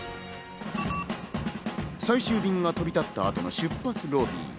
最終便が飛び立った後の出発ロビー。